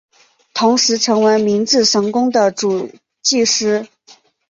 同时成为明治神宫的主祭司。